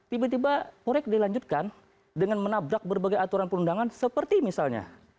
tiba tiba proyek dilanjutkan dengan menabrak berbagai aturan perundangan seperti misalnya